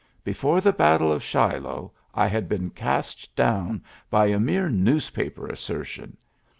Before the battle of Shiloh, I had been cast down by a mere newspaper as sertion.